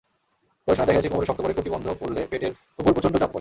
গবেষণায় দেখা গেছে, কোমরে শক্ত করে কটিবন্ধ পরলে পেটের ওপর প্রচণ্ড চাপ পড়ে।